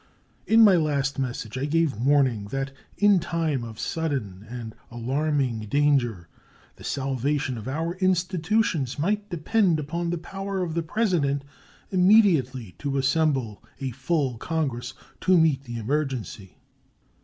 In my last message I gave warning that in a time of sudden and alarming danger the salvation of our institutions might depend upon the power of the President immediately to assemble a full Congress to meet the emergency.